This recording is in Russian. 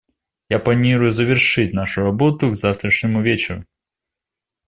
Я планирую завершить нашу работу к завтрашнему вечеру.